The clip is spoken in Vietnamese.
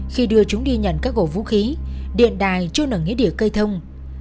khi đưa chúng đi nhận các cổ vũ khí điện đài trôn ở nghĩa địa cây thông